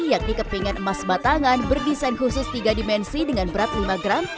yakni kepingan emas batangan berdesain khusus tiga dimensi dengan berat lima gram